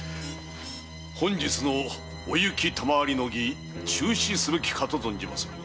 本日のお雪賜りの儀中止すべきかと存じまするが。